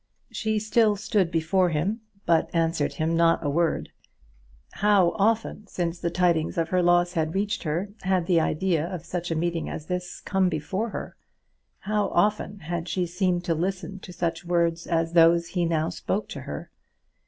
She still stood before him, but answered him not a word. How often since the tidings of her loss had reached her had the idea of such a meeting as this come before her! how often had she seemed to listen to such words as those he now spoke to her!